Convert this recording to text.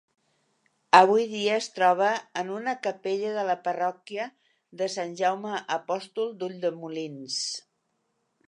Avui dia es troba en una capella de la parròquia de Sant Jaume Apòstol d'Ulldemolins.